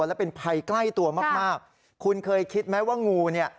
และเป็นภัยใกล้ตัวมากมากคุณเคยคิดไหมว่างูเนี่ย